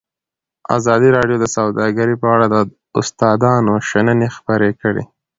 ازادي راډیو د سوداګري په اړه د استادانو شننې خپرې کړي.